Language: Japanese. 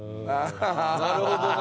なるほどな！